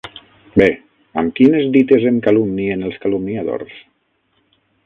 Bé: amb quines dites em calumnien els calumniadors?